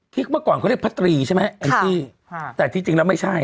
เมื่อก่อนเขาเรียกพระตรีใช่ไหมแองจี้ค่ะแต่ที่จริงแล้วไม่ใช่